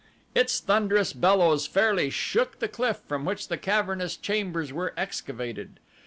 Its thunderous bellows fairly shook the cliff from which the cavernous chambers were excavated.